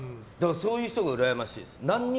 そういう人がうらやましいです。